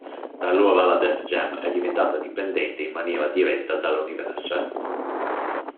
Da allora la Def Jam è diventata dipendente in maniera diretta dalla Universal.